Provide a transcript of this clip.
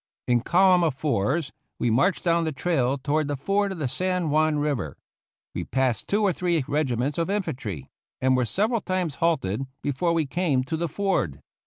In column of fours we marched down the trail toward the ford of the San Juan River. We passed two or three regiments of infantry, and were several times halted before we came to the ford.